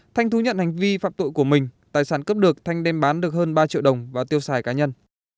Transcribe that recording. thanh thú nhận hành vi phạm tội của mình tài sản cướp được thanh đem bán được hơn ba triệu đồng và tiêu xài cá nhân